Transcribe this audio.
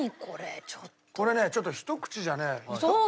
これねちょっとひと口じゃね。